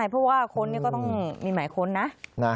เพราะว่าค้นก็ต้องมีหมายค้นนะ